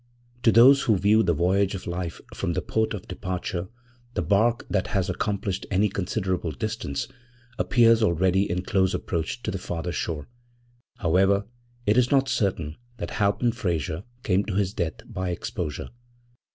To those who view the voyage of life from the port of departure the bark that has accomplished any considerable distance appears already in close approach to the farther shore. However, it is not certain that Halpin Frayser came to his death by exposure.